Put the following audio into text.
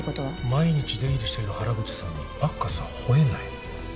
毎日出入りしている原口さんにバッカスは吠えない。